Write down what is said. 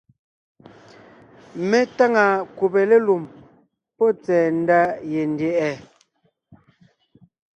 Mé táŋa kùbe lélùm pɔ́ tsɛ̀ɛ ndá yendyɛ̀ʼɛ.